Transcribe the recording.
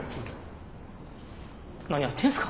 何やってんすか？